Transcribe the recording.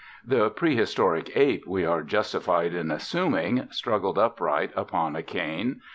The prehistoric ape, we are justified in assuming, struggled upright upon a cane.